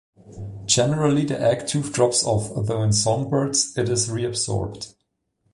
Generally, the egg tooth drops off, though in songbirds it is reabsorbed.